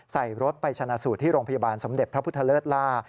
ใส่รถไปชนะสูตรที่โรงพยาบาลสมเด็จพระพุทธเลิศล่า